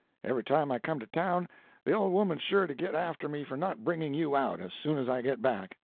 Every time I come to town, the old woman's sure to get after me for not bringing you out, as soon as I get back.